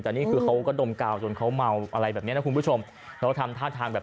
แต่นี่คือเขาก็ดมกาวจนเขาเมาอะไรแบบเนี้ยนะคุณผู้ชมเขาทำท่าทางแบบ